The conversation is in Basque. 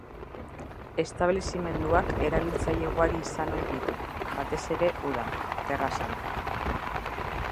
Establezimenduak erabiltzaile ugari izan ohi ditu, batez ere udan, terrazan.